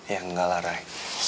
ya enggak lah ray